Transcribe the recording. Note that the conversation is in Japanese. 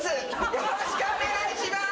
よろしくお願いします。